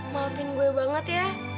maafin gue banget ya